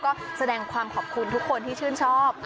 ก็แสดงความขอบคุณทุกคนที่ชื่นชอบ